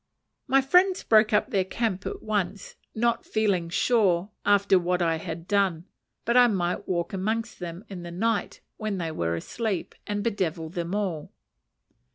My friends broke up their camp at once, not feeling sure, after what I had done, but I might walk in amongst them, in the night, when they were asleep, and bedevil them all.